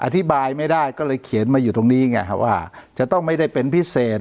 อธิบายไม่ได้ก็เลยเขียนมาอยู่ตรงนี้ไงว่าจะต้องไม่ได้เป็นพิเศษ